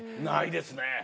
ないですね。